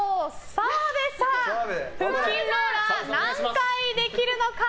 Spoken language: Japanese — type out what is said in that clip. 澤部さん、腹筋ローラー何回できるのか。